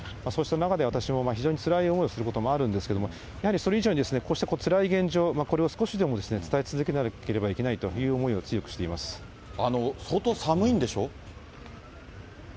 そうした中で、私も非常につらい思いをすることもあるんですけれども、やはりそれ以上にこうしたつらい現状、これを少しでも伝え続けなければいけないという思いを強くしてい相当寒いんでしょ？